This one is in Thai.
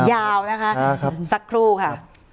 ยาวนะคะสักครู่ค่ะ